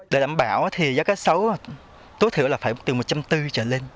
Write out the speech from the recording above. để đảm bảo thì giá cá sấu tối thiểu là phải từ một trăm bốn mươi trở lên